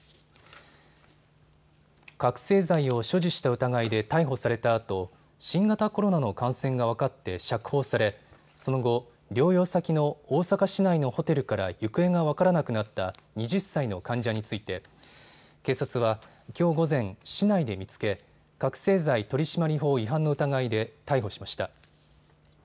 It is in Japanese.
覚醒剤を所持した疑いで逮捕されたあと新型コロナの感染が分かって釈放されその後、療養先の大阪市内のホテルから行方が分からなくなった２０歳の患者について警察はきょう午前、市内で見つけ覚醒剤取締法違反の疑いで逮捕しました。